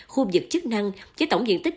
khu vực chức năng với tổng diện tích